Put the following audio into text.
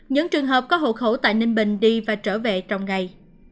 những trường hợp có hộ khẩu tại ninh bình đi và trở về trong ngày